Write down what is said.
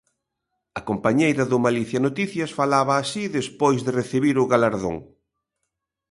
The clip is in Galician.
A compañeira do Malicia Noticias falaba así despois de recibir o galardón.